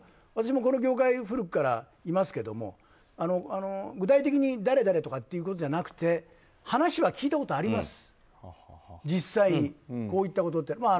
私も、この業界古くからいますけども具体的に誰々とかってことじゃなくて話は聞いたことあります、実際こういったことって。